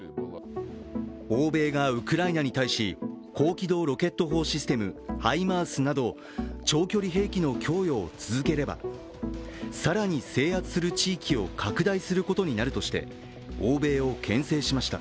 欧米がウクライナに対し、高機動ロケット砲ハイマースなど長距離兵器の供与を続ければ更に制圧する地域を拡大することになるとして、欧米をけん制しました。